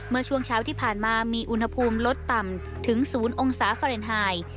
เมื่อช่วงเช้าที่ผ่านมามีอุณหภูมิลดต่ำถึง๐องศาฟาเรนไฮ